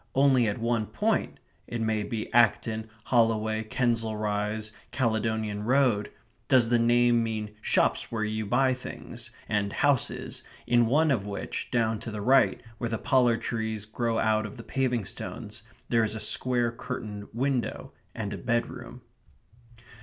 Only at one point it may be Acton, Holloway, Kensal Rise, Caledonian Road does the name mean shops where you buy things, and houses, in one of which, down to the right, where the pollard trees grow out of the paving stones, there is a square curtained window, and a bedroom.